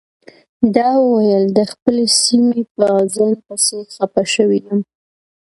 ده وویل د خپلې سیمې په اذان پسې خپه شوی یم.